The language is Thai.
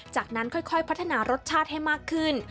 จากนั้นค่อยพัฒนารสชาติให้มากขึ้น